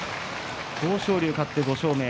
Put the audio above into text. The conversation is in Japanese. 豊昇龍、勝って５勝目。